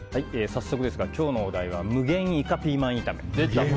早速ですが今日のお題は無限イカピーマン炒めです。